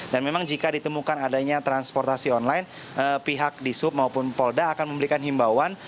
dan memang jika ditemukan adanya transportasi online pihak di sub maupun polda akan memberikan himbauan